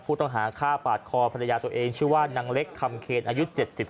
ผู้ต้องหาฆ่าปาดคอภรรยาตัวเองชื่อว่านางเล็กคำเคนอายุ๗๒